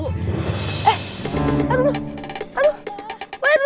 eh aduh aduh